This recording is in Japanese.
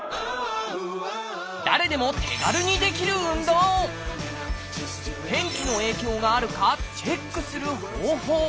誰でも天気の影響があるかチェックする方法。